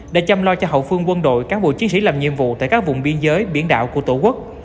để chăm lo cho hậu phương quân đội cán bộ chiến sĩ làm nhiệm vụ tại các vùng biên giới biển đảo của tổ quốc